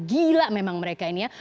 gila memang mereka ini ya